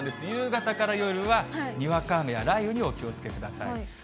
夕方から夜は、にわか雨や雷雨にお気をつけください。